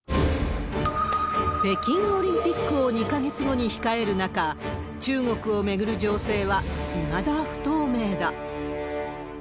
北京オリンピックを２か月後に控える中、中国を巡る情勢はいまだ不透明だ。